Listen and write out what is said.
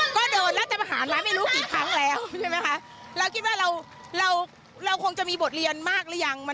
ก็เดินรัฐประหารมาไม่รู้กี่ครั้งแล้วใช่ไหมคะเราคิดว่าเราเราคงจะมีบทเรียนมากหรือยัง